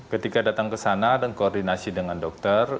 ketika datang ke sana dan koordinasi dengan dokter